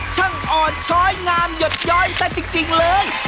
ช่างอ่อนช้อยงามหยดย้อยซะจริงเลย